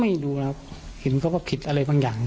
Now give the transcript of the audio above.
ไม่ดูนะครับเห็นก็ว่าผิดอะไรบางอย่างนะ